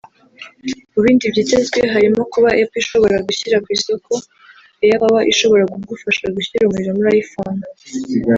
Mu bindi byitezwe harimo kuba Apple ishobora gushyira ku isoko AirPower ishobora kugufasha gushyira umuriro muri iPhone